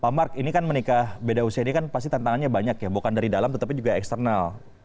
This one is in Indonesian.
pak mark ini kan menikah beda usia ini kan pasti tantangannya banyak ya bukan dari dalam tetapi juga eksternal